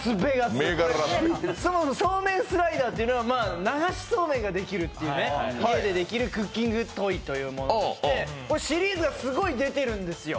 そもそもそうめんスライダーというのが流しそうめんが家でできるクッキングトイというものでして、シリーズがすごい出てるんですよ。